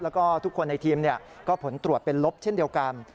แล้วก็ทุกคนในทีมก็ผลตรวจเป็นลบเช่นเดียวกัน